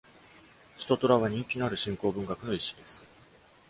シュトトラは人気のある信仰文学の一種です。